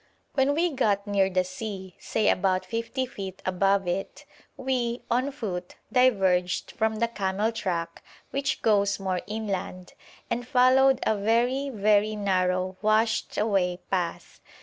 When we got near the sea, say about 50 feet above it, we, on foot, diverged from the camel track, which goes more inland, and followed a very, very narrow, washed away path.